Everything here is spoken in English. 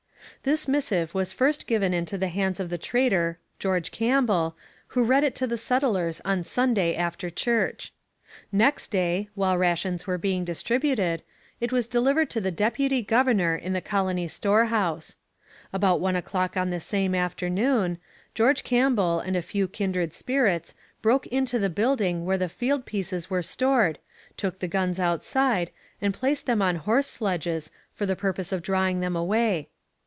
This missive was first given into the hands of the traitor George Campbell, who read it to the settlers on Sunday after church. Next day, while rations were being distributed, it was delivered to the deputy governor in the colony storehouse. About one o'clock on the same afternoon, George Campbell and a few kindred spirits broke into the building where the field pieces were stored, took the guns outside, and placed them on horse sledges for the purpose of drawing them away.